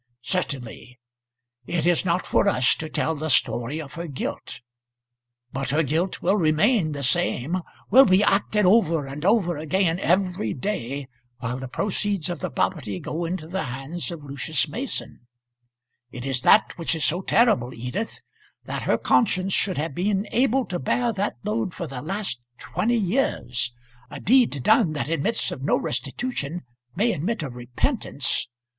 "Certainly. It is not for us to tell the story of her guilt; but her guilt will remain the same, will be acted over and over again every day, while the proceeds of the property go into the hands of Lucius Mason. It is that which is so terrible, Edith; that her conscience should have been able to bear that load for the last twenty years! A deed done, that admits of no restitution, may admit of repentance.